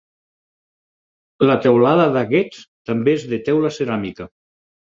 La teulada d'aquests també és de teula ceràmica.